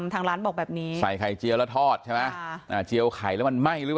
ทางร้านบอกแบบนี้ใส่ไข่เจียวแล้วทอดใช่ไข่แล้วมันไม่หรือ